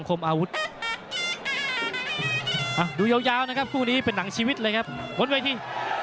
กลับไปที่